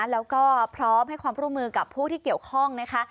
แล้วก็พร้อมให้ความร่วมมือกับผู้ที่เกี่ยวข้องนะคะ